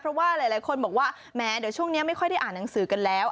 เพราะว่าหลายคนบอกว่าแม้เดี๋ยวช่วงนี้ไม่ค่อยได้อ่านหนังสือกันแล้ว